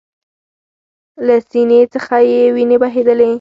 له سینې څخه یې ویني بهېدلې